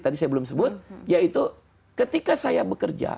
tadi saya belum sebut yaitu ketika saya bekerja